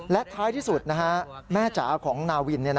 และท้ายที่สุดแม่จ๋าของนาวิน